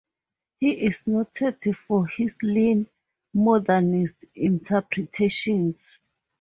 He is noted for his lean, modernist interpretations.